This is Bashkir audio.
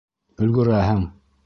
Өлгөрәһең.